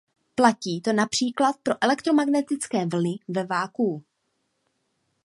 Platí to například pro elektromagnetické vlny ve vakuu.